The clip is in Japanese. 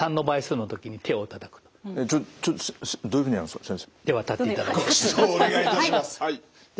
お願いいたします。